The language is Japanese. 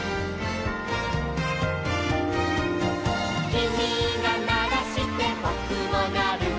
「きみがならしてぼくもなる」